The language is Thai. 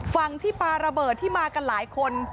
ฝั่งที่ปลาระเบิดที่มากันหลายคน